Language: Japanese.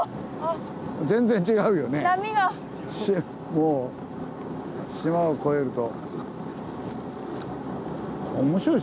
もう島を越えると。